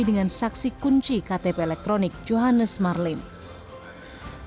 dengan saksi kunci ktp elektronik johanan lili